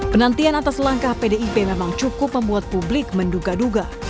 penantian atas langkah pdip memang cukup membuat publik menduga duga